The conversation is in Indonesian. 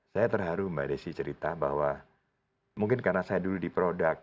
saya terharu mbak desi cerita bahwa mungkin karena saya dulu di produk